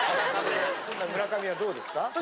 村上はどうですか？